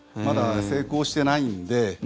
まだ成功してないんで。